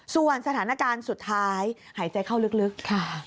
ส่วนสถานการณ์สุดท้ายหายใจเข้าลึกค่ะ